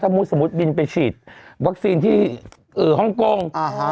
มุติสมมุติบินไปฉีดวัคซีนที่ฮ่องกง